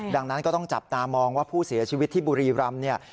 ดังนั้นก็ต้องจับตามองว่าผู้เสียชีวิตที่บุรีรำเนี่ย